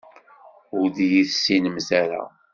Ur d-iyi-tessinemt ara.